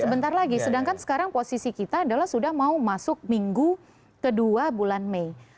sebentar lagi sedangkan sekarang posisi kita adalah sudah mau masuk minggu kedua bulan mei